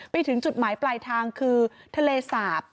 ไปถึงจุดหมายปลายทางคือทะเลสาบ